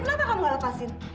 kenapa kamu gak lepasin